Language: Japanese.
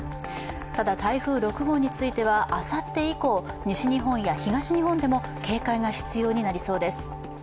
ただ、台風６号についてはあさって以降西日本や東日本でも警戒が必要になりそうです。